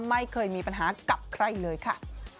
ไม่เคยมีปัญหากับใครเลยค่ะ